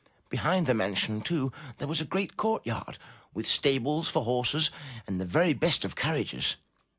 Behind the mansion, too, there was a great courtyard, with stables for horses and the very best of carriages.